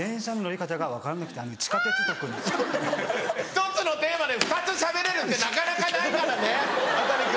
１つのテーマで２つしゃべれるってなかなかないからね中君。